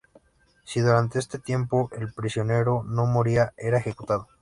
Si durante este tiempo el prisionero no moría era ejecutado.